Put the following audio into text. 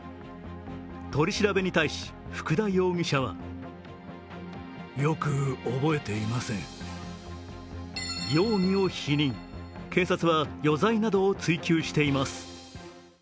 取り調べに対し福田容疑者は容疑を否認、警察は余罪などを追及しています。